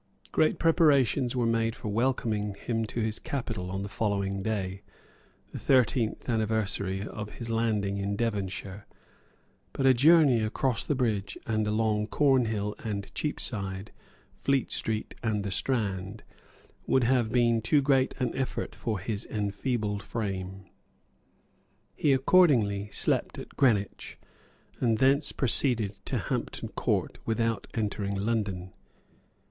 Great preparations were made for welcoming him to his capital on the following day, the thirteenth anniversary of his landing in Devonshire. But a journey across the bridge, and along Cornhill and Cheapside, Fleet Street, and the Strand, would have been too great an effort for his enfeebled frame. He accordingly slept at Greenwich, and thence proceeded to Hampton Court without entering London.